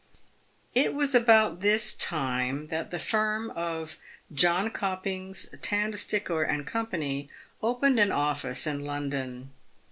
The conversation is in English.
It was about this time that the firm of Jonkopings, Tandstickor, and Co. opened an office in London.